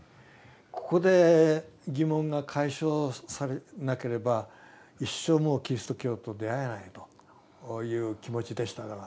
ここで疑問が解消されなければ一生もうキリスト教と出会えないという気持ちでしたから。